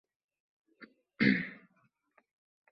Katta mansabmish…